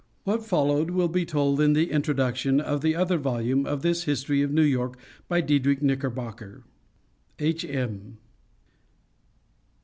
What followed will be told in the Introduction to the other volume of this History of New York, by Diedrich Knickerbocker. H.M.